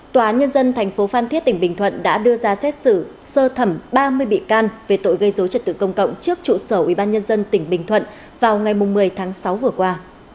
tòa án nhân dân thành phố phan thiết tỉnh bình thuận đã đưa ra xét xử sơ thẩm ba mươi bị can về tội gây dối trật tự công cộng trước trụ sở ubnd tỉnh bình thuận vào ngày một mươi tháng sáu vừa qua